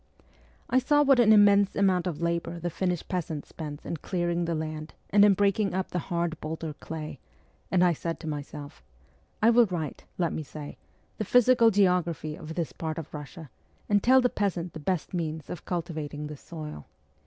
I saw what an immense amount of labour the Finnish peasant spends in clearing the land and in breaking up the hard boulder clay, and I said to myself, ' I will write, let me say, the physical geography of this part of Kussia, and tell the peasant the best means of cultivating this soil.